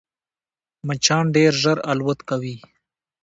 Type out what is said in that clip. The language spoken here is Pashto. مچان ډېر ژر الوت کوي